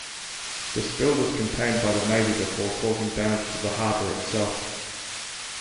The spill was contained by the navy before causing damage to the harbour itself.